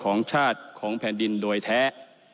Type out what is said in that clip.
ของชาติของแผ่นดินโดยแท้